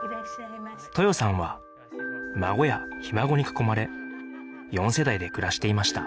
豊さんは孫やひ孫に囲まれ４世代で暮らしていました